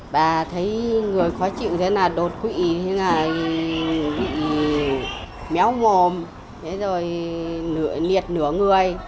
bà thấy người khó chịu thế là đột quỵ bị méo mồm liệt nửa người